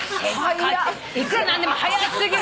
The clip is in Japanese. いくらなんでも早過ぎるわ。